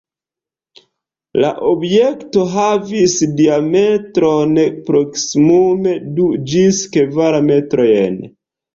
La objekto havis diametron proksimume du ĝis kvar metrojn.